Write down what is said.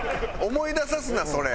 思い出さすなそれ。